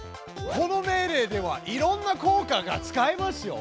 この命令ではいろんな効果が使えますよ！